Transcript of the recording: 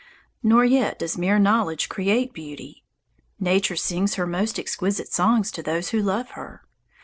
Nor yet does mere knowledge create beauty. Nature sings her most exquisite songs to those who love her.